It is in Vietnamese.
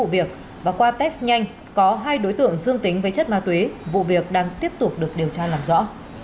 và qua test nhanh có hai đối tượng xương tính với chất ma tuế vụ việc đang tiếp tục được điều tra làm rõ